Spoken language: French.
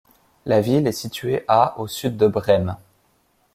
La ville est située à au sud de Brême.